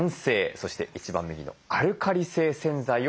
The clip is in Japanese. そして一番右のアルカリ性洗剤を使いましょう。